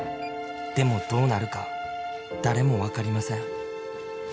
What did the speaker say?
「でもどうなるか誰も分かりません」